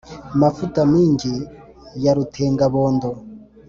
Mavuta-mingi ya rutenga-bondo,